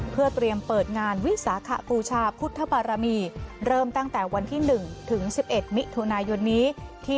เพื่อเตรียมเปิดงานวิสาขบูชาพุทธบารมีเริ่มตั้งแต่วันที่๑ถึง๑๑มิถุนายนนี้